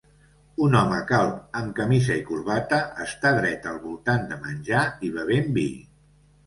Un home calb amb camisa i corbata està dret al voltant de menjar i bevent vi.